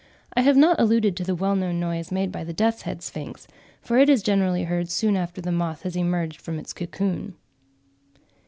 I have not alluded to the well known noise made by the Death's Head Sphinx, for it is generally heard soon after the moth has emerged from its cocoon.